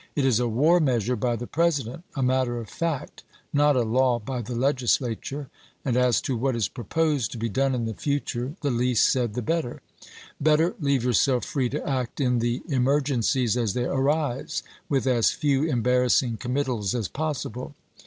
It is a war measure by the President, — a matter of fact, — not a law by the Legislature. And as to what is proposed to be done in the future the least said the better. Better leave yourself free to act in the emergencies as they arise, with as few embarrassing committals as possible.